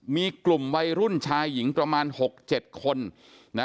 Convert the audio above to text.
มีกลุ่มวัยรุ่นชายหญิงประมาณ๖๗คนนะ